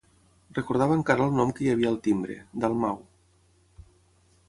Recordava encara el nom que hi havia al timbre, Dalmau...